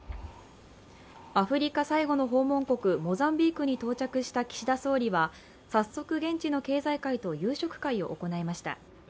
アフリカ最後の訪問国モザンビークに到着した岸田総理は早速、現地の経済界と夕食会を行いました。